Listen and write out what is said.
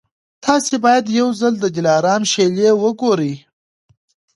تاسي باید یو ځل د دلارام شېلې وګورئ.